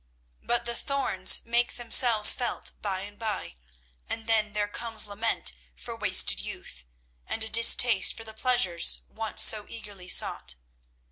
But the thorns make themselves felt by and by, and then there comes lament for wasted youth, and a distaste for the pleasures once so eagerly sought.